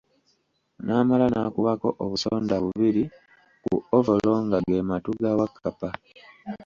N'amala n'akubako obusonda bubiri ku ovolo nga ge matu ga Wakkapa.